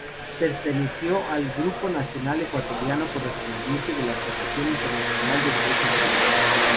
Perteneció al Grupo nacional ecuatoriano correspondiente de la Asociación Internacional de Derecho Penal.